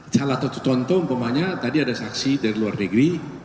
salah satu contoh umpamanya tadi ada saksi dari luar negeri